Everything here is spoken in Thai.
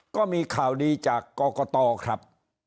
ก็มีข่าวดีจากกรกตครับ